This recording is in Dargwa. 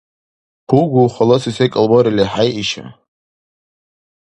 Гьугу, халаси секӀал барили хӀейиша.